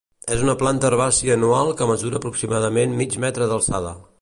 És una planta herbàcia anual que mesura aproximadament mig metre d'alçada.